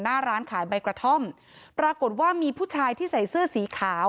หน้าร้านขายใบกระท่อมปรากฏว่ามีผู้ชายที่ใส่เสื้อสีขาว